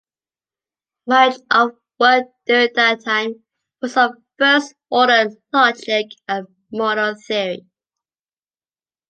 Much of work during that time was on first order logic and model theory.